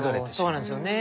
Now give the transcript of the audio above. そうなんですよね。